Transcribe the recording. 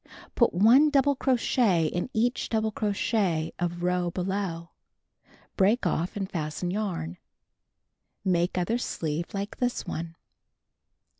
Put 1 double crochet in each double crochet of row below. Break off and fasten yarn. Make other sleeve like this one.